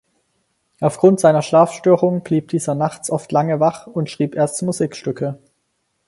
Aufgrund seiner Schlafstörungen blieb dieser nachts oft lange wach und schrieb erste Musikstücke.